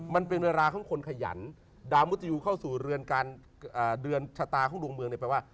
มันเป็นเวลาของคนขยันดาวมุฒิยูเข้าสู่เรือนการเดือนชะตาของดวงเมือง